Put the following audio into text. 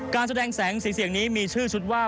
การแสดงแสงสีเสียงนี้มีชื่อชุดว่า